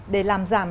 để làm giảm